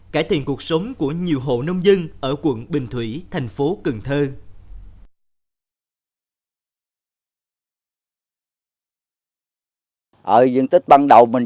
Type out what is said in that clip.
cải thiện cuộc sống của nhiều hộ nông dân ở quận bình thủy thành phố cà ninh